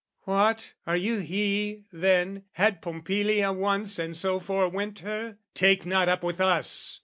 "What, you are he, then, had Pompilia once "And so forwent her? Take not up with us!"